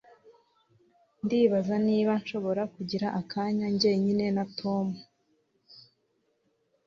Ndibaza niba nshobora kugira akanya njyenyine na Tom